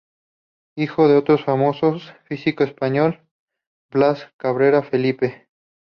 Hijo de otro famoso físico español, Blas Cabrera Felipe.